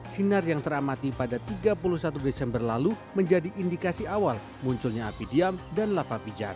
sinar yang teramati pada tiga puluh satu desember lalu menjadi indikasi awal munculnya api diam dan lava pijar